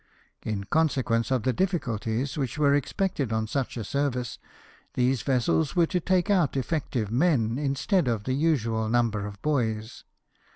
In consequence of the difficulties which were expected on such a service, these vessels were to take out effective men, instead of the usual number of boys.